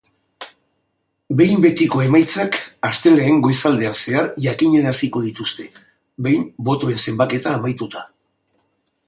Behin betiko emaitzak astelehen goizaldean zehar jakinaraziko dituzte, behin botoen zenbaketa amaituta.